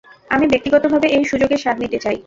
আমি, ব্যক্তিগতভাবে, এই সুযোগের স্বাদ নিতে চাই।